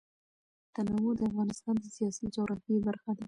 تنوع د افغانستان د سیاسي جغرافیه برخه ده.